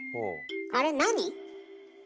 あれ何？